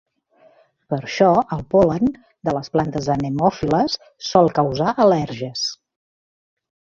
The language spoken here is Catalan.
Per això, el pol·len de les plantes anemòfiles sol causar al·lèrgies.